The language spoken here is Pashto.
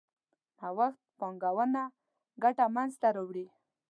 نوښت پانګونه ګټه منځ ته راوړي.